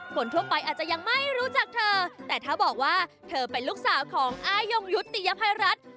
คนทั่วไปอาจจะยังไม่รู้จักเธอแต่ถ้าบอกว่าเธอเป็นลูกสาวของอายงยุติยภัยรัฐ